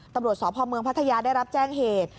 ตำรวจสพเมืองพัทยาได้รับแจ้งเหตุ